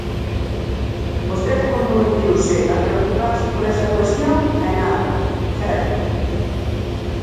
Vostede comprometeuse a preocuparse por esa cuestión, e nada, ¡cero!